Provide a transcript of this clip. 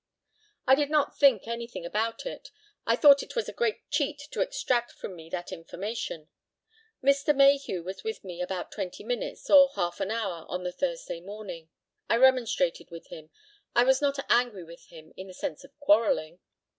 I did not think anything about it. I thought it was a great cheat to extract from me that information. Mr. Mayhew was with me about twenty minutes or half an hour on the Thursday morning. I remonstrated with him. I was not angry with him in the sense of quarrelling.